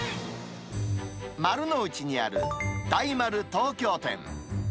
丸の内にある大丸東京店。